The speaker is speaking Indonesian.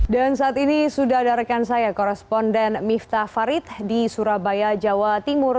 dan saat ini sudah ada rekan saya korresponden miftah farid di surabaya jawa timur